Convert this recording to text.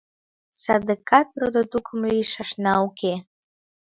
Садыгак родо-тукым лийшашна уке!